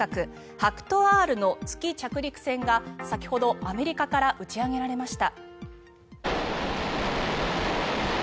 ＨＡＫＵＴＯ−Ｒの月着陸船が先ほどアメリカから打ち上げられました。